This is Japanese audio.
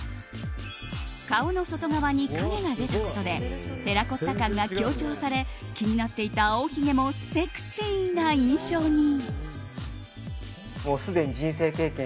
顔の外側に影が出たことでテラコッタ感が強調され気になっていた青ひげもセクシーな印象に。